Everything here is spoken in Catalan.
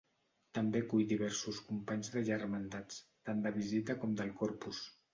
També acull diversos companys de germandats, tant de visita com del Corpus.